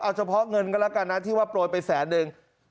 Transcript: เอาเฉพาะเงินก็แล้วกันนะที่ว่าโปรยไปแสนนึง